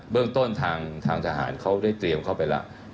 เรื่องต้นทางทหารเขาได้เตรียมเข้าไปแล้ว